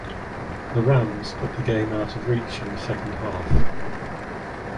The Rams put the game out of reach in the second half.